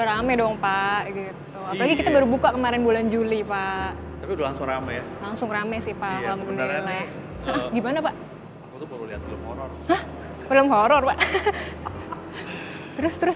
apalagi kita baru buka banyak area yang baru bapak udah lihat belum